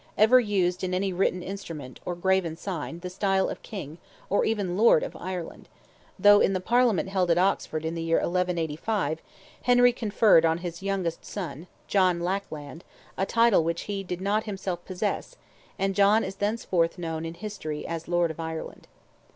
ever used in any written instrument, or graven sign, the style of king, or even lord of Ireland; though in the Parliament held at Oxford in the year 1185, Henry conferred on his youngest son, John lack land, a title which he did not himself possess, and John is thenceforth known in English history as "Lord of Ireland."